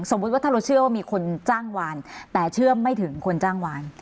ว่าถ้าเราเชื่อว่ามีคนจ้างวานแต่เชื่อไม่ถึงคนจ้างวาน